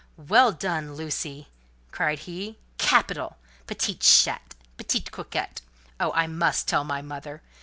"Well done, Lucy," cried he; "capital! petite chatte, petite coquette! Oh, I must tell my mother!